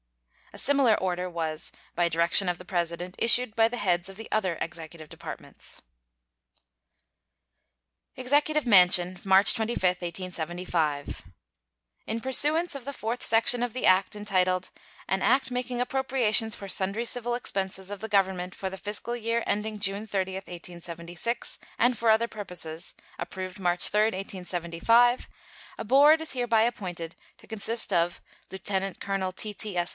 [A similar order was, by direction of the President, issued by the heads of the other Executive Departments.] EXECUTIVE MANSION, March 25, 1875. In pursuance of the fourth section of the act entitled "An act making appropriations for sundry civil expenses of the Government for the fiscal year ending June 30, 1876, and for other purposes," approved March 3, 1875, a board is hereby appointed, to consist of Lieutenant Colonel T.T.S.